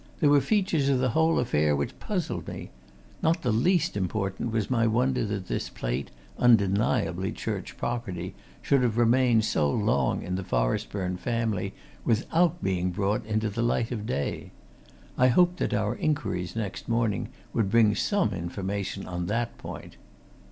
There were features of the whole affair which puzzled me not the least important was my wonder that this plate, undeniably church property, should have remained so long in the Forestburne family without being brought into the light of day. I hoped that our inquiries next morning would bring some information on that point.